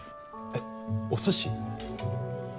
えっお寿司？